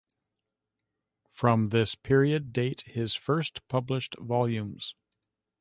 From this period date his first published volumes.